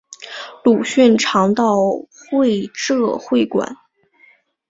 鲁迅常到全浙会馆。